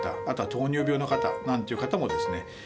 あとは糖尿病の方なんていう方もですね